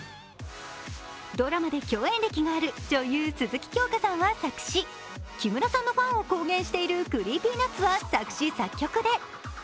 ドラマで共演歴がある女優・鈴木京香さんは作詞、木村さんのファンを公言しているＣｒｅｅｐｙＮｕｔｓは作詞・作曲で。